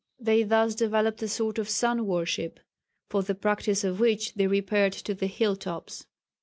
They thus developed a sort of sun worship, for the practice of which they repaired to the hill tops.